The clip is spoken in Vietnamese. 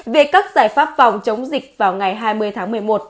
về các giải pháp phòng chống dịch vào ngày hai mươi tháng một mươi một